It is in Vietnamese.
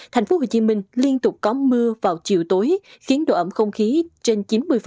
thành phố hồ chí minh liên tục có mưa vào chiều tối khiến độ ẩm không khí trên chín mươi